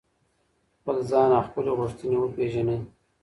خپل ځان او خپلي غوښتنې وپیژنئ.